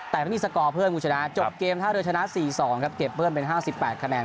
แต่พอมีสกอร์เพื่อนมูชนะจบเกมถ้าเรียนชนะ๔๒ครับเก็บเพื่อนเป็น๕๘คะแนน